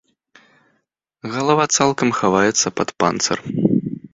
Галава цалкам хаваецца пад панцыр.